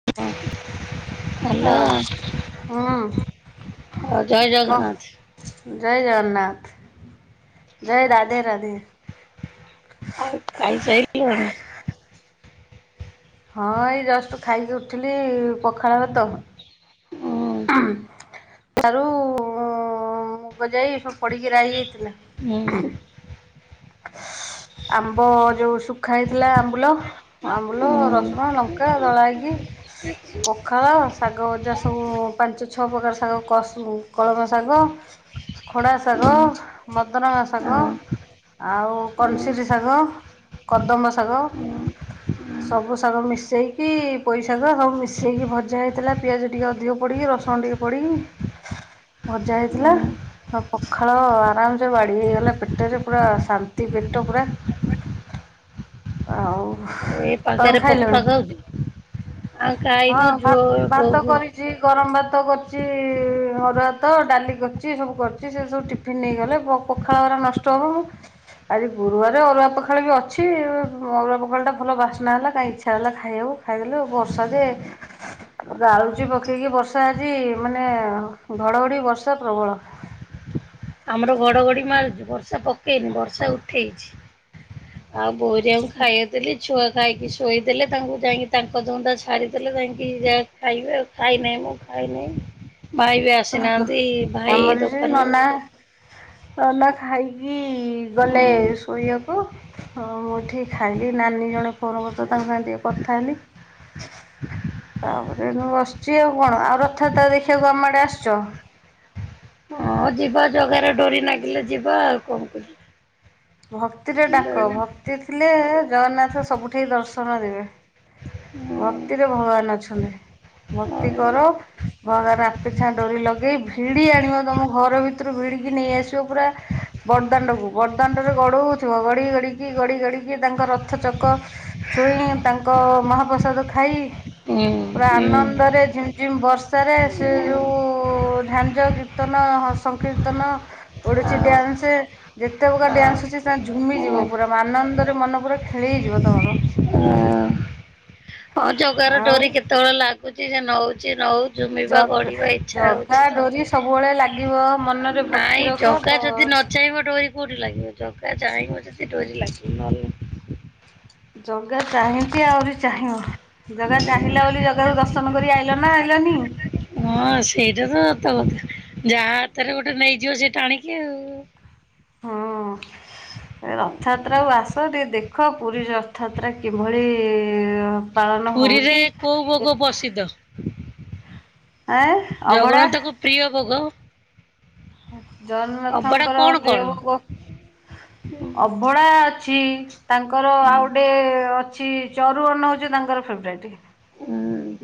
[inaudible] ହଁ ହ୍ୟାଲୋ ହଁ ଆଉ ଜୟ କହ। ଜଗନ୍ନାଥ। ଜୟ ଜଗନ୍ନାଥ ଜୟ ରାଧେ ରାଧେ। ଆଉ ଖାଇସାଇଲୁଣି? ହଁ ଏଇ ଜଷ୍ଟୁ ଖାଇକି ଉଠିଲି ପଖାଳ ଭାତ। ହୁଁ ସାରୁ ମୁଗଜାଇ ସବୁ ପଡିକି ରାହିଯାଇଥିଲା। ହୁଁ। ଆମ୍ବ ଯୋଉ ଶୁଖା ହେଇଥିଲା ଆମ୍ବୁଲ। ଅମ୍ବୁଲ ହୁଁ ହୁଁ ରସୁଣ ଲଙ୍କା ଦଳା ହେଇକି‌। ପଖାଳ ଶାଗ ଭଜା ସବୁ। ପାଞ୍ଚ ଛଅ ପ୍ରକାର ଶାଗ କସୁ କଳମ ଶାଗ। ଖଡ଼ା ହଁ ହୁଁ ହୁଁ ଶାଗ ମଦରଙ୍ଗ ଶାଗ ଆଉ କନସିରି ଶାଗ। କଦମ ଶାଗ। ହୁଁ ହୁଁ। ସବୁ ଶାଗ ମିଶେଇ କି ପୋଇଶାଗ ହବୁ ମିଶେଇ କି ଭଜା ହେଇଥିଲା, ପିଆଜ ଟିକେ ଅଧିକ ପୋଡ଼ିକି ରସୁଣ ଟିକେ ପଡ଼ିକି ଭଜା ହେଇଥିଲା। ହଁ ପଖାଳ ଆରାମ ସେ ବାଢି ହେଇଗଲା ପେଟରେ ପୁରା ଶାନ୍ତି ପେଟ ପୁରା। ଆଉ ଏଇ ପାଗରେ ତମେ ପଖାଳ ଖାଇଲଣି? ଖାଉଛୁ ଆଉ ହଁ ଖାଇନୁ ଭା ଝୁଅ ଭାତ ବୋଉକୁ କରି ଚି ଗରମ୍ ଭାତ କରଚି ଅରୁଆ ଭାତ ଡାଲି କରଚି ସବୁ କରଚି ସେ ସବୁ ଟି ପିି ନେଇ ଗଲେ ପ-ପଖାଳ ଗରା ନଷ୍ଟ ହବ। ଆଜି ଗୁରୁବାରେ ଅରୁଆ ପଖାଳ ବି ଅଛି ଅରୁଆ ପଖାଳଟା ଭଲ ବାସ୍ନା ହେଲା କାହିଁ ଇଚ୍ଛା ହେଲା ଖାଇଆକୁ। ଖାଇଦଲୁ ବର୍ଷା ଯେ ଜାଳୁ ଟି ପକେଇକି ବର୍ଷା ଆଜି ମାନେ ଘଡ଼ଘଡ଼ି ବର୍ଷା ପ୍ରବଳ। ଆମର ଘଡଘଡି ମାରୁଚି ବର୍ଷା ପକେଇନି ବର୍ଷା ଉଠେଇଛି। ଆଉ ବଉ ହେରିକା କୁ ଖାଇଆ ଦେଲି ଛୁଆ ଖାଇକି ଶୋଇଦେଲେ ତାଙ୍କୁ ଯାଇଁକି ତାଙ୍କ ଧନ୍ଦା ଛାଡ଼ିଦେଲେ ଯାଇଁକି ଯା ଖାଇବେ ଆଉ ଖାଇନେଇଁ ମୁଁ ଖାଇନେଇଁ ଭାଇ ବି ଆସିନାହାନ୍ତି ଭାଇ ଆମର ସେ ଦୋକାନ ରେ। ନନା ନନା ଖାଇକି ଗଲେ ଶୋଇଆକୁ। ହଁ ମୁଁ ଉଠି ଖାଇଲି ନାନୀ ଜଣେ ଫୋନ [unintelligible] ତାଙ୍କ ସାଙ୍ଗେ ଟିକେ କଥା ହେଲି। ତାପରେ ଏଇନୁ ମୁଁ ବସ୍ଚି ଆଉ କଣ ଆଉ ରଥଯାତ୍ରା ଦେଖିବାକୁ ଆମ ଆଡେ ଆସ୍ଚ। ହଁ ଯିବା ଜଗାର ଡୋରି ନାଗିଲେ ଯିବା ଆଉ ଙ୍କ କରି ଭକ୍ତିରେ ଡାକ ଭକ୍ତି ଥିଲେ ଜଗନ୍ନାଥ ସବୁଠି ଦର୍ଶନ ଦେବେ। ହଁ ଭକ୍ତିରେ ଭଗବାନ ଅଛନ୍ତି ଆଉ ଭକ୍ତି କର। [unintelligible] ଡୋରି ଲଗେଇ ଭିଡି ଆଣିବ ତମ ଘର ଭିତୁରୁ ଭିଡିକି ନେଇ ଆସିବ ପୁରା। ବଡଦାଣ୍ଡ କୁ ବଡଦାଣ୍ଡରେ ଗଡୋଉଥିୁବ ଗଡି ଗଡିକି ଗଡି ଗଡିକି ତାଙ୍କ ରଥ ଚକ। ଛୁଇଁ ତାଙ୍କ ମହାପ୍ରସାଦ ଖାଇ ହୁଁ ପୁରା ହୁଁ ହୁଁ ଆନନ୍ଦ ରେ ଝି ଯିମ୍ ବର୍ଷାରେ ସେ ଯୋଉଁ ଝାଞ୍ଜ କୀର୍ତ୍ତନ ହ ସଂକୀର୍ତ୍ତନ। ଓଡ଼ିଶି ଆଉ ଡ୍ୟାନ୍ସେ। ତେ ପକାର ଆଉ ଡ୍ୟାନ୍ସ ଅଛି ହୁଁ ଝୁମିଯିବ ପୁରା ମା ଆନନ୍ଦରେ ମନ ପୁରା ଖେଳି ଯିବ ତମର। ଅଁ ଜଗାର ଡୋରି ଆଉ କେତେବେଳେ ଲାଗୁଚି ଯେ ନଉଚି ନଉ। ଜୁମିବା ଜଗ ଗଡିବା ଇଚ୍ଛା ଜଗା ହଉଛି ତ ଡୋରି ସବୁବେଳେ ଲାଗିବ ମନରେ ଭକ୍ତି ନାଇଁ ରଖ ବ ଜଗା ଯଦି ନ ଚାହିଁବ ଡୋରି କୋଉଠି ଲାଗିବ ଜଗା ଚାଇଁବ ଯଦି ଡୋରି ଲାଗିବ ନହେଲେ ଜଗା ଚାହିଁଚି ଆହୁରି ଚାହିଁବ ଜଗା ଚାହିଁଲା ବୋଲି ଜଗାକୁ ଦଶ ନ କରି ଆଇଲ ନା ଆଇଲନି? ହଁ ସେଇଟା ତ ସତ କଥା ଯାହା ହାତରେ ଗୋଟେ ନେଇଯିବ ସେ ଟାଣିକି ଆଉ। ହଁ। ରଥଆତ୍ରା କୁୁ ଆସ ଟିକେ ଦେଖ ପୁରୀ ରଥଆତ୍ରା କିଭଳି। ପାଳନ ପୁରୀରେ ହଉଛି କୋଉ ଭୋଗ ପସିଦ୍ଧ? ଆଁ। ଜଗନ୍ନାଥ କ ପ୍ରିୟ ଭୋଗ। ଅବଢ଼ା ଜଗନ୍ନାଥଙ୍କର କଣ ପ୍ରିୟ କଣ? ଭୋଗ ଅଭଡା ଅଛି। ତାଙ୍କର ଆଉ ଗୋଟିଏ ଅଛି ଚରୁଅର୍ନ ହଉଛି ତାଙ୍କର ଫେବରାଇଟ।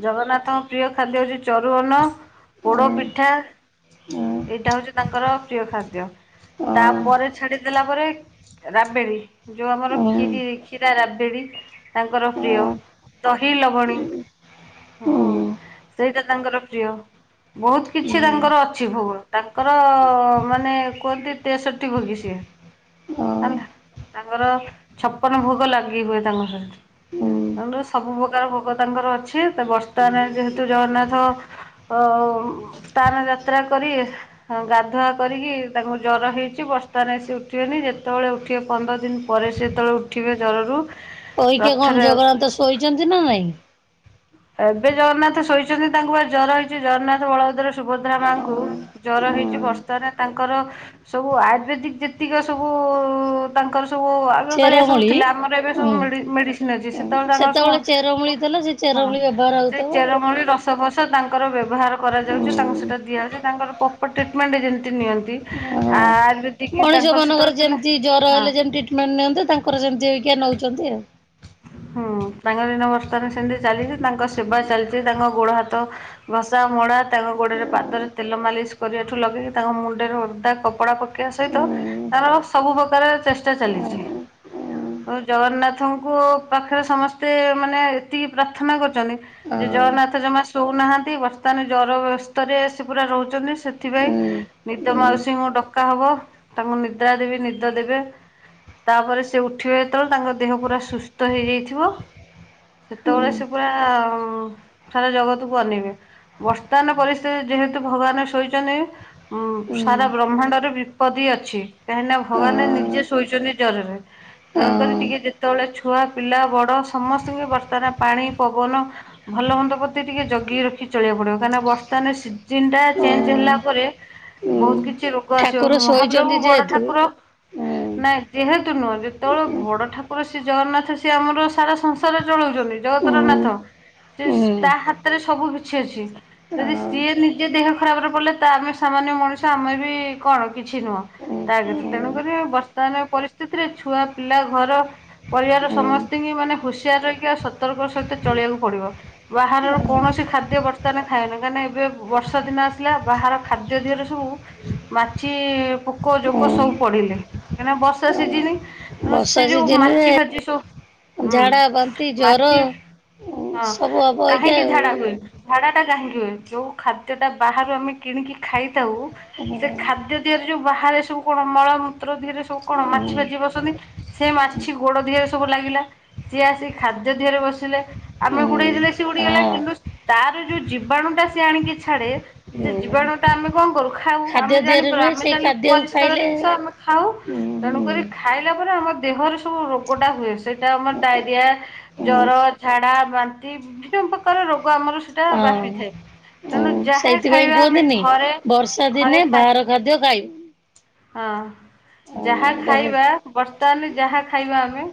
ଜଗନ୍ନାଥଙ୍କ ପ୍ରିୟ ଖାଦ୍ୟ ହଉଛି ଚରୁଅନ୍ନ ପୋଡ ପିଠା। ଏଇଟା ହଉଛି ତାଙ୍କର ପ୍ରିୟ ଖାଦ୍ୟ ତାପରେ ଛାଡିଦେଲା ପରେ। ରାବେଡି ଯୋଉ ଆମର କ୍ଷୀରି କ୍ଷୀରା ରାବେଡି। ତାଙ୍କର ପ୍ରିୟ ଦହି ଲବଣୀ। ହଁ ହୁଁ। ସେଇଟା ତାଙ୍କର ପ୍ରିୟ ବହୁତ୍ କିଛି ତାଙ୍କର ଅଛି ଭୋଗ, ତାଙ୍କର ମାନେ କୁଅତି ତେଷଠି ଭୋଗି ସିଏ ହେଲା। ତାଙ୍କର ଛପନ ଭୋଗ ଲାଗି ହୁଏ ତାଙ୍କ ଠାରେ। ତାଙର ସବୁ ପ୍ରକାର ଭୋଗ ତାଙ୍କର ଅଛି ତ ବର୍ତ୍ତମାନ ଯେହେତୁ ଜଗନ୍ନାଥ ଅ ସ୍ଥାନ ଯାତ୍ରା କରିବେ ହଁ ଗାଧୁଆ କରିକି ତାଙ୍କୁ ଜର ହେଇଛି ବର୍ତାରେ ସେ ଉଠିବେନି ଯେତେବେଳେ ଉଠିବେ ପନ୍ଦର ଦିନ ପରେ ସେତେବେଳେ ଉଠିବେ ଜ୍ୱରରୁ କହିହିକେ କଣ ରଥରେ ଜଗନ୍ନାଥ ଶୋଇଛନ୍ତି ନା ନାଇଁ? ଏବେ ଜଗନ୍ନାଥ ଶୋଇଛନ୍ତି ତାଙ୍କୁ ବା ଜର ହେଇଛି ଜଗନ୍ନାଥ ବଳଭଦ୍ର ସୁଭଦ୍ରା ମାଙ୍କୁ ଜ୍ଵର ହେଇଛି ବର୍ଷାରେ ତାଙ୍କର ସବୁ ଆୟୁର୍ବେଦିକ ଯେତିକ ସବୁ ତାଙ୍କର ସବୁ ରୋଗ କାଳିଆ ସବୁ ଚେରମୂଳି ଥିଲା ଆମର ଏବେ ଉଁ ସବୁ ମେଡିସିନ ଅଛି ସେତେବେଳେ ତାଙ୍କର ସବୁ ଚେରମୂଳି ଥିଲା ସେ ହଁ ଚେରମୂଳି ବ୍ୟବହାର ସେ ହଉଥିବ ଚେରମଳି ରସ ବସ ତାଙ୍କର ବ୍ୟବହାର କରାଯାଉଛି ତାଙ୍କୁ ଆଉ। ସେଇଟା ଦିଆଯାଉଛି ତାଙ୍କର ପ୍ରପର୍ ଟ୍ରିଟମେଣ୍ଟ ଏ ଯେମିତି ନିଅନ୍ତି ଓହୋ। ଆ ମଣିଷ ମାନଙ୍କର ଯେମିତି ଜ୍ଵର ହେଲେ ଯେମିତି ଟ୍ରିଟମେଣ୍ଟ ନିଅନ୍ତନ୍ତି ତାଙ୍କର ସେମିତି ହେଇକି ନେଉଛନ୍ତି ଆଉ ହୁଁ ତାଙ୍କ ଦିନ ବର୍ଥାନ ସେମିତି ଚାଲିଛି ତାଙ୍କ ସେବା ଚାଲିଛି ତାଙ୍କ ଗୋଡ ହାତ ଘସା ମଡା ତାଙ୍କ ଗୋଡରେ ପାଦରେ ତେଲ ମାଲିସ କରିବାଠୁ ଲଗେଇକି ତାଙ୍କ ମୁଣ୍ଡରେ ଓଦା କପଡ଼ା ପକାଇବା ସହିତ ତାର ସବୁ ପ୍ରକାର ଚେଷ୍ଟା ଚାଲିଛି ଜଗନ୍ନାଥଙ୍କୁ ପାଖରେ ସମସ୍ତେ ମାନେ ଏତିକି ପ୍ରାର୍ଥନା କରୁଛନ୍ତି ଯେ ଜଗନ୍ନାଥ ଜମା ଶୋଉନାହାନ୍ତି ବର୍ତ୍ତମାନ ଜର ବ୍ୟସ୍ତରେ ଆ ସେ ପୁରା ରହୁଛନ୍ତି ସେଥିପାଇଁ ନିଦ ମାଉସୀଙ୍କୁ ଡକା ହବ ତାଙ୍କୁ ନିଦ୍ରା ଦେବି ନିଦ ଦେବେ ତାପରେ ସେ ଉଠିବ ଯେତେବେଳେ ତାଙ୍କ ଦେହ ପୁରା ସୁସ୍ଥ ହେଇଯାଇଥିବ ସେତେବେଳେ ସେ ପୁରା ସାରା ଜଗତକୁ ଅନେଇବେ ବସ୍ତାନ ପରିସ୍ଥିତି ଯେହେତୁ ଭଗବାନ ଶୋଇଛନ୍ତି। ହଁ ସାରା ବ୍ରହ୍ମାଣ୍ଡରେ ବିପଦୀ ଅଛି କାହିଁକି ଭଗବାନ ନିଜେ ଶୋଇଛନ୍ତି ଜରରେ ତେଣୁକରି ଟିକେ ଯେତେବେଳେ ଛୁଆ ପିଲା ବଡ ସମସ୍ତଙ୍କୁ ବର୍ତ୍ତମାନ ପାଣି ପବନ ଭଲ ମନ୍ଦ ପ୍ରତି ଟିକେ ଜଗି ରଖି ଚଳିବାକୁ ପଡିବ କାହିଁକନା ବର୍ତ୍ତମାନ ସିଜନ ଟା ଚେଞ୍ଜ ହେଲା ପରେ ବହୁତ କିଛି ରୋଗ ଆସିବ ଠାକୁର ଶୋଇଛନ୍ତି ମହାପ୍ରଭୁ ବଡ ଯେହେତୁ ଠାକୁର ନାଇଁ ଯେହେତୁ ନୁହଁ ଯେତେବେଳେ ବଡ ଠାକୁର ସେ ଜଗନ୍ନାଥ ସିଏ ଆମର ସାରା ସଂସାର ଚଳଉଛନ୍ତି ଜଗତର ନାଥ ସେ ତା ହାତରେ ସବୁ କିଛି ଅଛି ଯଦି ସିଏ ନିଜେ ଦେହ ଖରାପରେ ପଡ଼ିଲେ ତ ଆମେ ସାମାନ୍ୟ ମଣିଷ ଆମେ ବି କଣ କିଛି ନୁହଁ। ତାରେ ତେଣୁକରି ବର୍ତ୍ତମାନ ପରିସ୍ଥିତିରେ ଛୁଆ ପିଲା ଘର ପରିବାର ସମସ୍ତଙ୍କି ମାନେ ହୁସିଆର ରହିଆ ସତର୍କ ସହିତ ଚଳିବାକୁ ପଡିବ। ବାହାରର କୌଣସି ଖାଦ୍ୟ ବର୍ତ୍ତମାନ ଖାଏନି କାହିଁ ନା ଏବେ ବର୍ଷା ଦିନ ଆସିଲା ବାହାର ଖା ଦ୍ୟ ଦିହରେ ସବୁ। ମାଛି, ପୋକ, ଜୋକ ସବୁ ପଡିଲେ କାହିଁ ନା ବର୍ଷା ସିଜିିନ। ବର୍ଷା ସିଜିନରେ। [unintelligible] ହୁଁ ଝାଡ଼ା ବାନ୍ତି ଜର ମାଛି ଉଁ ହଁ ସବୁ ହବ ଅଇକା କାହିଁକି ଆଉ। ଝାଡା ହୁଏ ଝାଡା ଟା କାହିଁକି ହୁଏ ଯୋଉ ଖାଦ୍ୟ ଟା ବାହାରୁ ଆମେ କିଣିକି ଖାଇଥାଉ। ସେ ଖାଦ୍ୟ ଦିହରେ ଯୋଉ ବାହାରେ ସବୁ କଣ ମଳମୂତ୍ର ଦିହରେ ସବୁ କଣ ମାଛି ଉଁ ଫାଛି ବସନ୍ତି। ସେ ମାଛି ଗୋଡ ଦିହରେ ସବୁ ଲାଗିଲା ସିଏ ଆସିିକି ଖାଦ୍ୟ ଦିହରେ ବସିଲେ। ଆମେ ଉଁ ଗୁଡେଇଥିଲେ ସିଏ ଉଡ଼ି ଗଲା ହଁ କିନ୍ତୁ ତାର ଯୋଉ ଜୀବାଣୁ ଟା ସିଏ ଆଣିକି ଛାଡେ। ହୁଁ। ତ ଆମେ କଣ କରୁ ଖାଉ ଆମେ ଜାଣିପାରୁ ଆମେ ସେଇ ଜାଣିଲୁ ଖାଦ୍ୟକୁ ପରିଷ୍କାର ଖାଇଲେ ଜିନିଷ ଆମେ। ଖାଉ ତେଣୁକରି ଉଁ ଖାଇଲା ପରେ ଆମ ଦେହରେ ସ ସବୁ ରୋଗ ଟା ହୁଏ ସେଇଟା ଆମ ଡାଇରିଆ। ଉଁ ଜର, ଝାଡା, ବାନ୍ତି ବିଭିନ୍ନ ପ୍ରକାର ରୋଗ ଆମର ସେଟା ହଁ ବ୍ୟାପିଥାଏ। ତେଣୁ ଉଁ ଯାହା ସେଇଥିପାଇଁ ଖାଇବା ଆମେ କୁହନ୍ତିନି ଘରେ ବର୍ଷା ଦିନେ ଘରେ ଖା ବାହାର ଖାଦ୍ୟ ଖାଇବୁ। ହଁ ଯାହା ଉଁ ଗର ଖାଇବା ବର୍ତ୍ତମାନ ଯାହା ଖାଇ ବା ଆମେ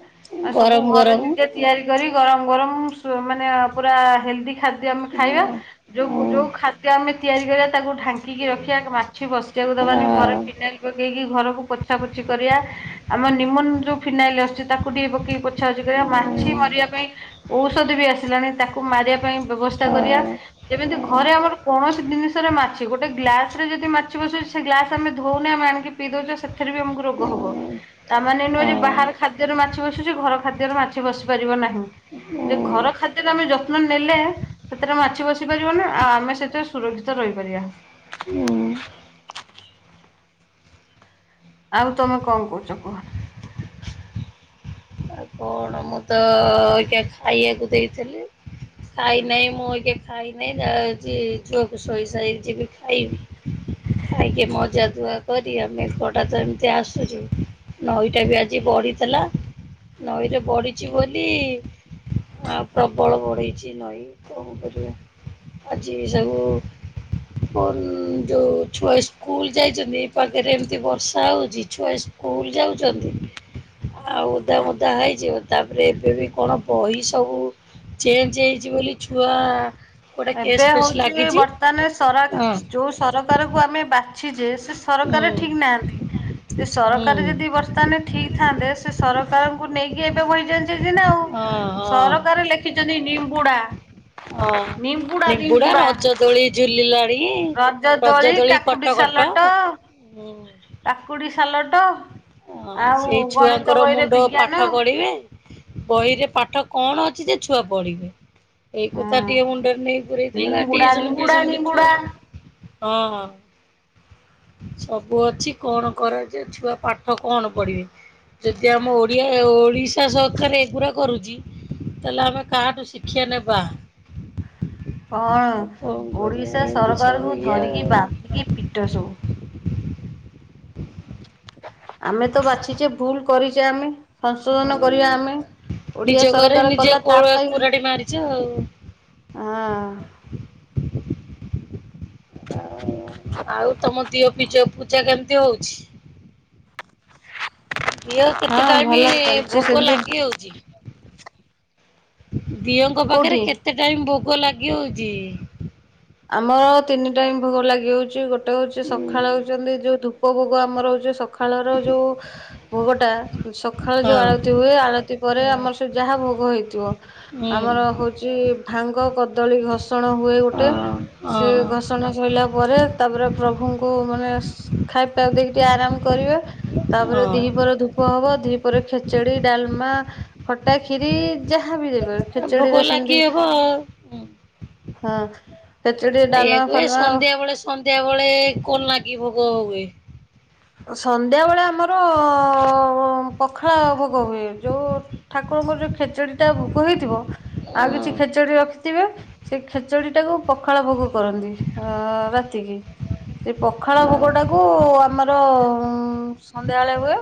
ଆ ସବୁ ଗରମ ଘରେ ଗରମ ନିଜେ ତିଆରି କରି ଗରମ ଗରମ ସ ମାନେ ପୁରା ହେଲଦି। ଖାଦ୍ୟ ଆମେ ଖାଇବା ଉଁ ଯୋଉ କୁ ଉଁ ଯୋଉ ଖାଦ୍ୟ ଆମେ ତିଆରି କରିବା ତାକୁ ଢାଙ୍କିକି ରଖିବା ମା ଛି ବସିବାକୁ ଦବାନି ଘରେ ହଁ। ଫିନାଇଲ ପକେଇକି ଘରକୁ ପୋଛା ପୋଛି କରିବା ଆମ ନିମନ ଯୋଉ। ଫିନାଇଲ ଆସୁଛି ତାକୁ ଟିକେ ପକେଇକି ପୋଛା ପୋଛି କରିବା ଉଁ ମାଛି ମରିବା ପାଇଁ। ଔଷଧ ବି ଆସିଲାଣି ତାକୁ ମାରିବା ପାଇଁ ବ୍ୟବସ୍ଥା କରିବା। ହଁ ଯେମିତି ଘରେ ଉଁ ଆମର କୌଣସି ଜିନିଷରେ ମାଛି ଗୋଟେ ଗ୍ଲାସ ରେ ଯଦି ମାଛି ବସୁଛି ସେ ଗ୍ଲାସ ଆମେ ଧଉନେ ଆମେ ଆଣିକି। ପିଇ ଦଉଚେ ସେଥିରେ ବି ଆମକୁ ରୋଗ ହବ ଉଁ ତା ମାନେ ନୁହେଁ ଯେ ହଁ। ବାହାର ଖାଦ୍ୟରେ ମାଛି ବସୁଛି ଘର ଖାଦ୍ୟରେ ମାଛି ବସି ପାରିବ ନାହିଁ। ଯେ ହୁଁ ଘର ଖାଦ୍ୟରେ ଆମେ ଯତ୍ନ ନେଲେ। ସେଥିରେ ମାଛି ବସି ପାରିବନା ଆ ଆମେ ସେଥିରେ ସୁରକ୍ଷିତ ରହିପାରିବା। ହୁଁ। ଆଉ ତମେ କଣ କହୁଛ କୁହ? ଆଉ କଣ? ମୁଁ ତ ଅଇକା ଖାଇବାକୁ ଦେଇଥିଲି। ଖାଇ ନାହିଁ ମୁଁ ଅଇକା ଖାଇନାହିଁ ଯାଉଛି ଝିଅ କୁ ଶୋଇ ସାରିକି ଯିବି ଖାଇବି। ଖାଇକି ମଜା ଧୁଆ କ ତି ଆମେ କଡ଼ା ଚାମୁଚେ ଆସୁଚି ନଈଟା ବି ଆଜି ବଢିଥିଲା। ନଈରେ ବଢିଛି ବୋଲି। ଆଉ ପ୍ରବଳ ବଢିଛି ନଈ କଣ କରିବା। ଆଜି ସବୁ। ମୋ ଯୋଉ ଛୁଆ ସ୍କୁଲ ଯାଇଛନ୍ତି ଏଇ ପାଖରେ ଏମୀତି ବର୍ଷା ହଉଛି ଛୁଆ ସ୍କୁଲ ଯାଉଛନ୍ତି ଆଉ ଓଦା ମୋଦା ହେଇଯିବ। ତାପରେ ଏବେ ବି କଣ ବହି ସବୁ ଚେଞ୍ଜ ହେଇଛି ବୋଲି ଛୁଆ। ଗୋଟେ ଏବେ କେସ୍ ଫେସ୍ ହଉଛି ଲାଗିଛି। ବର୍ତ୍ତମାନ ସରା ହଁ। ଚୁସ୍ ସରକାରକୁ ଆମେ ବାଛିଚେ ସେ ହୁଁ ସରକାର ଠିକ୍ ନାହାଁନ୍ତି। ସେ ହୁଁ ସରକାର ଯଦି ବର୍ତ୍ତମାନ ଠିକ ଥାନ୍ତେ ସେ ସରକାରଙ୍କୁ ନେଇକି ଏବେ ବହି ଚେଞ୍ଚ ହେଇଛି ନା ଆଉ। ହଁ ହଁ ସରକାର ଲେଖିଛନ୍ତି ନିମ୍ବୁଡା। ହଁ ନିମ୍ବୁଡା, ରଜ ଦୋଳି ଝୁଲିଲା ରଜ ଦୋଳି, କାକୁଡି କଟ। ସାଲଟ ହୁଁ କାକୁଡି ସାଲଟ। ହ ଆଉ ସେଇ ଗଣିତ ଛୁଆଙ୍କର ବହିରେ ମୁଣ୍ଡ ବିଜ୍ଞାନ ପାଠ ପଢିବେ ବହିରେ ପାଠ କଣ ଅଛି ଯେ ଛୁଆ ପଢିବେ ଏଇ କଥା ହଁ ଥା ଟିକେ ମୁଣ୍ଡରେ ନେଇ ପୁରେଇ ଥିଲେ ତାରେ ନିମ୍ବୁଡା ଟିଉସନ ନିମ୍ବୁଡା ଫିଉସନ ବି ତ ନିମ୍ବୁଡା ହଁ ହଁ ସବୁ ଅଛି କଣ କରାଯି ଛୁଆ ପା ଠ କଣ ପଢିବେ ଯଦି ଆମ ଓଡ଼ିଆ ଓଡ଼ିଶା ସରକାର ଏଗୁରା କରୁଚି। ତାହେଲେ ଆମେ କାହାଠୁ ଶିକ୍ଷ୍ୟା ନେବା। ହଁ ଆଉ କଣ କରିବା ଓଡିଶା ଏମିତି ସବୁ ସରକାରଙ୍କୁ ଇଏ ଧରିକି ଆଉ। ବାନ୍ଧିକି ପିଟ ସବୁ। ଆମେ ତ ବାଛିଚେ ଭୁଲ କରିଚେ ଆମେ। ସଂଶୋଧନ କରିବା ଆମେ ନିଜ ଓଡିଆ ଘରେ ସରକାର ନିଜେ କଲା ତା ପାଇଁ [inaudible] ଆଉ ହଁ [inaudible] ଆଉ ତମ ଦିଅ ପିଜ ପୂଜା କେମିତି ହଉଚି। ଦିଅଁ କେତେ ହଁ ଟାଇମ ଭଲ ଚାଲିଛି ଭୋଗ ସେମିତି ଲାଗି ହୋଉଚି। ଦିଅଁ ଙ୍କ ପାଖରେ କୋଉଠି କେତେ ଟାଇମ ଭୋଗ ଲାଗି ହୋଉଚି। ଆମର ତିନି ଟାଇମ୍ ଭୋଗ ଲାଗି ହୋଉଚି ଗୋଟେ ହୋଉଚି ସକାଳେ ହଉଚନ୍ତି ଯୋଉ ଧୁ ପ ଭୋଗ ଆମର ହୋଉଚି ସକାଳର ଯୋଉ ଭୋଗଟା ସକାଳେ ଯୋଉ ଆଳତି ହଁ ହୁଏ ଆଳତି ପରେ ଆମର ସେ ଯାହା ଭୋଗ ହେଇଥିବ ଆମର ହୁଁ। ହଉ ଚି ଭାଙ୍ଗ କଦଳୀ ଘର୍ଷଣ ହୁଏ ଗୋଟେ ସେ ହଁ ଘସଣ ଶଇଲା ପରେ ତାପରେ ପ୍ରଭୁଙ୍କୁ ମାନେ ଖାଇ ପାକୁ ଦେଇକି ଟିକେ ଆରାମ କରିବେ। ତାପରେ ହଁ ଦି ପଅରେ ଧୂପ ହବ ଦି ପଅରେ ଖେଚେଡି ଡାଲମା ଖଟା ଖି଼ରି ଯାହା ବି ଦେବେ ଭୋଗ ଖେଚୁଡିରେ ଲାଗି ସେମତି ହବ ଆଉ। ହଁ। ଖେଚେଡି ଡାଲମା ଏୟାକୁ ଏ ଫାଲମା ସନ୍ଧ୍ୟା ବେଳେ ସନ୍ଧ୍ୟା ବେଳେ କଲାଗି ଭୋଗ ହୁଏ। ସନ୍ଧ୍ୟାବେଳେ ଆମର ପଖାଳ ଭୋଗ ହୁଏ ଯୋଉ ଠାକୁରଙ୍କର ଯୋଉ ଖେଚଡି ଟା ଭୋଗ ହେଇଥିବ ଆଉ କିଛି ଖେଚଡି ରଖି ଥିବେ ସେ ଖେଚୁଡି ଟାକୁ ପଖାଳ ଭୋଗ କରନ୍ତି ଅ ରାତିକି। ସେ ପଖାଳ ଭୋଗ ଟାକୁ ଆମର ଉଁ ସନ୍ଧ୍ୟାବେଳେ ହୁଏ।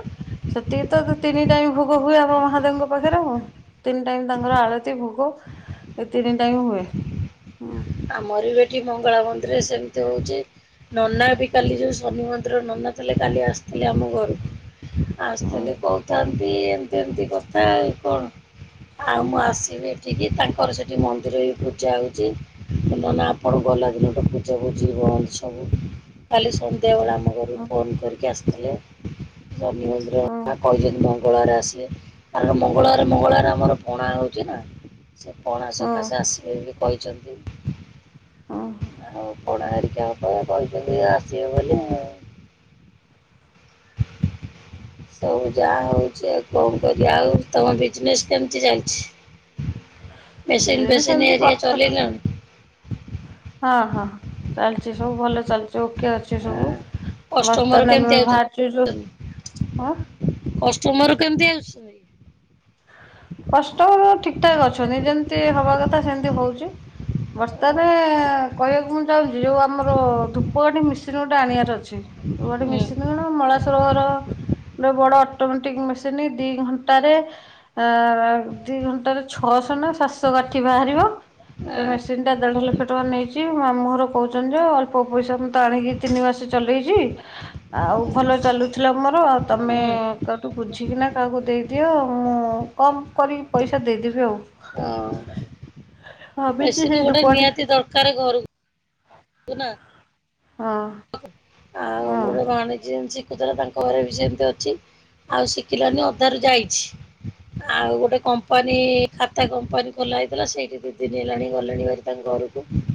ସେତିକି ତ ତ ତିନି ଟାଇମ୍ ଭୋଗ ହୁଏ ଆମ ମହାଦେବଙ୍କ ପାଖେରେ ଆଉ। ତିନି ଟାଇମ୍ ତାଙ୍କର ଆଳତି ଭୋଗ ଏ ତିନି ଟାଇମ୍ ହୁଏ ହୁଁ। ଆମର ବି ଏଠି ମଙ୍ଗଳା ମନ୍ଦିରେ ସେମ୍ତି ହୋଉଚି। ନନା ବି କାଲି ଯୋଉ ଶନି ମନ୍ଦିର ନନା ଥିଲେ କାଲି ଆସିଥିଲେ ଆମ ଘରୁକୁ। ଆସ୍ ହୁଁ ଥେଲେ କହୁଥାନ୍ତି ଏମ୍ତି ଏମ୍ତି କଥା ଆଉ କଣ ଆଉ ମୁଁ ଆସିବି ଏଠିକି ତାଙ୍କର ସେଠି ମନ୍ଦିର ବି ପୂଜା ହୋଉଚି। ନନା ଆପଣ ଗଲା ଦିନଠୁ ପୂଜା ପୂଜି ବନ୍ଦ ସବୁ କାଲି ଶ ନ୍ଧ୍ୟା ବେଳ ଆମ ଘରକୁ ଫୋନ୍ କରକି ଆସିଥିଲେ ଶନି ହୁଁ ମନ୍ଦିର କହିଛନ୍ତି [unintelligible] ମଙ୍ଗଳବାରେ ଆସିବେ କାରଣ ମଙ୍ଗଳବାରେ ମଙ୍ଗଳବାରେ ଆମର ପଣା ହଉଚି ନା। ସେ ପଣା ହୁଁ ସକାଶେ ଆସିବେ ବେଲି କହିଚନ୍ତି। ଆଉ ପଣା ହରିକା ହବ ସେ କହିଚନ୍ତି ଆସିବେ ବୋଲି ଆଉ ମୁଁ ସବୁ ଯାହା ହଉଚି ଆଉ କଣ କରିଆ ଆଉ ତମ ବିଜନେସ୍ କେମିତି ଚାଲିଚି? [inaudible] ବିଜନେସ୍ ହେରିକା ସେମିତି [unintelligible] ଚଲେଇଲାଣି ହଁ ହଁ ଚାଲିଚି ସବୁ ଭଲ ଚାଲିଚି ଓକେ ଅଛି ସବୁ। ଆଁ, କଷ୍ଟମର ବର୍ତ୍ତମାନ ଆମେ କେମିତି ବାହାରିଚୁ ଯୋଉ ହଁ। କଷ୍ଟୋମର କେମିତି ଅଛ କଷ୍ଟମର ଠିକ୍ ଠାକ୍ ଅଛନ୍ତି ଯେମତି ହବା କଥା ସେମତି ହୋଉଚି। ବର୍ତ୍ତମାନ କହିବାକୁ ମୁଁ ଚାହୁଁଛି ଯୋଉ ଆମର ଧୂପ କାଠି ମେସିନ୍ ଗୋଟେ ଆଣିବାର ଅଛି। ତୁ ଗୋଟେ ହୁଁ, ମିଶିନି [unintelligible] ମଳାସୁର ଘର ଗୋଟେ ବଡ ଅଟୋମେଟିକ୍ ମେସିନି ଦି ଘଣ୍ଟାରେ ଆଁ ଦି ଘଣ୍ଟାରେ ଛଅଶହ ନା ସାତଶହ କାଠି ବାହାରିବ? ସେ ଆଁ, ମେସିନ୍ ଟା ଦେଢ ଲକ୍ଷ ଟଙ୍କା ନେଇଛି, ମୋ ମାମୁଁ ଘର କହୁଛନ୍ତି ଯେ ଅଳ୍ପ ପଇସା ମତେ ଆଣିକି ତିନି ମାସେ ଚଲେଇଚି। ଆଉ ଭଲ ଚାଲୁଥିଲା ମୋର ଆଉ ତମେ ହୁଁ, କାଠୁ ବୁଝିକିନା କାହାକୁ ଦେଇଦିଅ ମୁଁ କମ୍ କରିକି ପଇସା ଦେଇଦେବି ଆଉ। ହଁ। ଭାବିଛି ସେଇ ଧୂପକାଠି ଦରକାରେ ଘରକୁ ହଁ ଆଉ ହଁ। ମୋର ଭାଣିଜୀ ଆଣିଚି ସେ ତାର ତାଙ୍କ ଘରେ ବି ସେମିତି ଅଛି, ଆଉ ଶିକିଲାନି ଅଧାରୁ ଯାଇଚି। ଆଉ ଗୋଟେ କମ୍ପାନୀ ଖାତା କମ୍ପାନୀ ଖୋଲା ହେଇଥିଲା, ସେ ଏଠି ଦି ଦିନ ହେଲାଣି ଗଲେଣି ଭାରି ତାଙ୍କ ଘରକୁ।